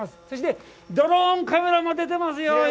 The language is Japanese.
そして、ドローンカメラも出てますよ。